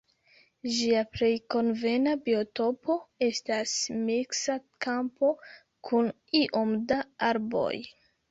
Ĝia plej konvena biotopo estas miksa kampo kun iom da arboj.